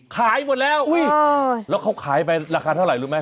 ขายหมดแล้วแล้วเขาขายไปราคาเท่าไหร่รู้ไหม